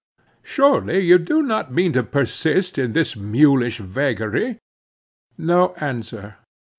Surely you do not mean to persist in that mulish vagary?" No answer.